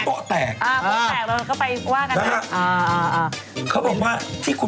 โป้แตกครืนนี้มีอะไร